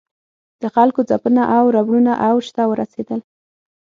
د خلکو ځپنه او ربړونه اوج ته ورسېدل.